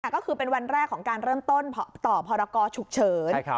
ก็คือเป็นวันแรกของการเริ่มต้นต่อพรกรฉุกเฉิน